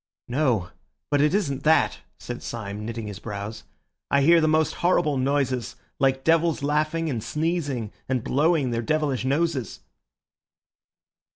"No, but it isn't that," said Syme, knitting his brows. "I hear the most horrible noises, like devils laughing and sneezing and blowing their devilish noses!"